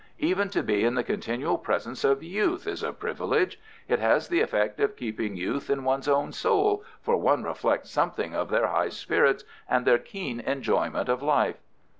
"Even to be in the continual presence of youth is a privilege. It has the effect of keeping youth in one's own soul, for one reflects something of their high spirits and their keen enjoyment of life."